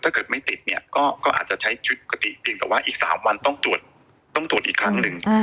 ถ้าเกิดไม่ติดเนี่ยก็อาจจะใช้ชีวิตปกติเพียงแต่ว่าอีก๓วันต้องตรวจต้องตรวจอีกครั้งหนึ่ง